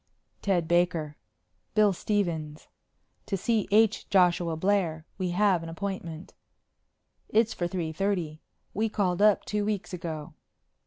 "Ted Baker." "Bill Stephens." "To see H. Joshua Blair. We have an appointment." "It's for three thirty. We called up two weeks ago."